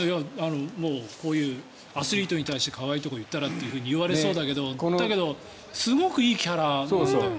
こういうアスリートに対して可愛いとか言ったらって言われそうだけどだけどすごくいいキャラなんだよね。